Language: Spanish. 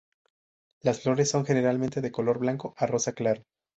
Las flores son generalmente de color blanco a rosa claro.